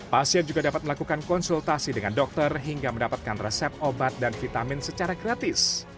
pasien juga dapat melakukan konsultasi dengan dokter hingga mendapatkan resep obat dan vitamin secara gratis